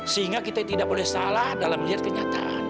sehingga kita tidak boleh salah dalam melihat kenyataan